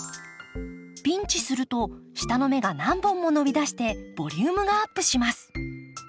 ピンチすると下の芽が何本も伸びだしてボリュームがアップします。